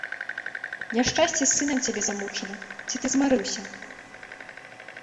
Няшчасце з сынам цябе замучыла, ці ты змарыўся?